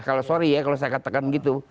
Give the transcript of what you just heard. kalau saya katakan gitu